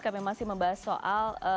kami masih membahas soal